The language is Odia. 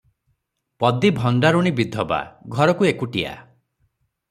ପଦୀ ଭଣ୍ଡାରୁଣୀ ବିଧବା- ଘରକୁ ଏକୁଟିଆ ।